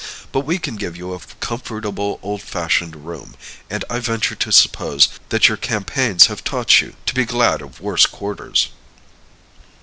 But we can give you a comfortable old fashioned room, and I venture to suppose that your campaigns have taught you to be glad of worse quarters."